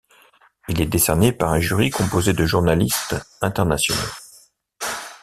Il est décerné par un jury composé de journalistes internationaux.